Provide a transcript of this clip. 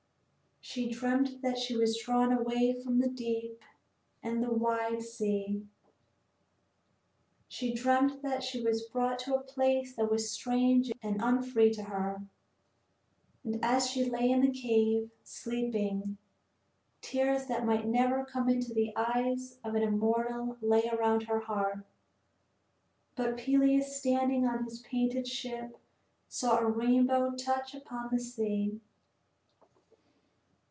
She dreamt that she was drawn away from the deep and the wide sea. She dreamt that she was brought to a place that was strange and unfree to her. And as she lay in the cave, sleeping, tears that might never come into the eyes of an immortal lay around her heart. But Peleus, standing on his painted ship, saw a rainbow touch upon the sea.